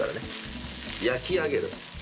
「焼き上げる」